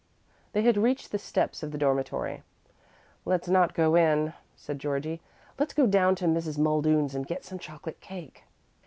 They had reached the steps of the dormitory. "Let's not go in," said Georgie; "let's go down to Mrs. Muldoon's and get some chocolate cake."